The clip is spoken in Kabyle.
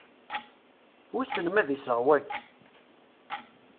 Wissen ma d iseɣ, wagi?